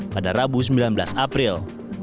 pada rabu sembilan belas april